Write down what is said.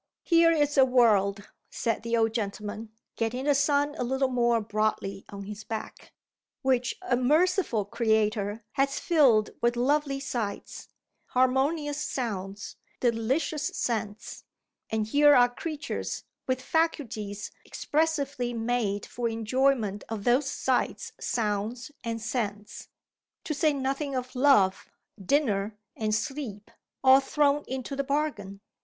"Here is a world," said the old gentleman, getting the sun a little more broadly on his back, "which a merciful Creator has filled with lovely sights, harmonious sounds, delicious scents; and here are creatures with faculties expressly made for enjoyment of those sights, sounds, and scents to say nothing of Love, Dinner, and Sleep, all thrown into the bargain.